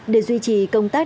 để duy trì công tác